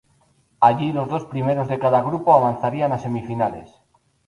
Allí, los dos primeros de cada grupo avanzarían a semifinales.